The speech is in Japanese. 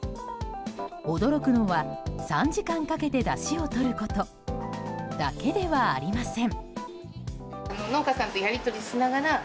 驚くのは３時間かけてだしをとることだけではありません。